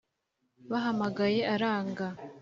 Bahamagaye aranga